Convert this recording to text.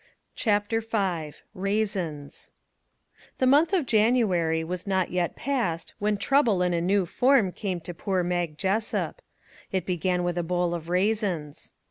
69 CHAPTER V " RAISINS " THE month of January was not yet past when trouble in a new form came to poor Mag Jessup. It began with a bowl of raisins.